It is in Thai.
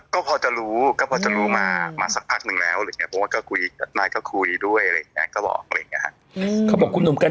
ก็พอจะรู้มาสักพักหนึ่งแล้วน้องก็คุยด้วยแล้วอีกนั้น